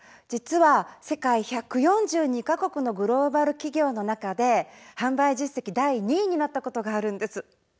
実は世界１４２か国のグローバル企業の中で販売実績第２位になったことがあるんです。